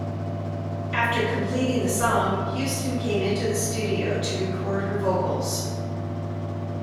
After completing the song, Houston came into the studio to record her vocals.